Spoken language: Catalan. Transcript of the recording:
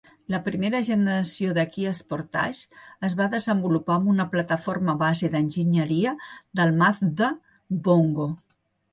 La primera generació de Kia Sportage es va desenvolupar amb una plataforma base d"enginyeria del Mazda Bongo.